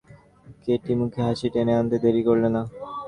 Katie মুখে হাসি টেনে আনতে দেরি করলে না।